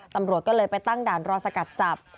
ตำรวจก็เลยไปตั้งด่านรอสกัดจับ